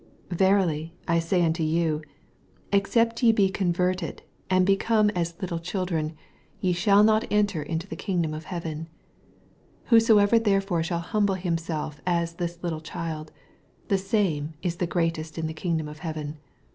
Verily I sajr onto yon, except ye be oonverted^ and beoodM MATTHEW, CHAP. XVUI. 219 M Itde oliildren, je sliall not enter into the kingdom of heaven. 4 Whosoever therefore shall humble himself as this little child, the same IB greatest in the kingdom of heaven.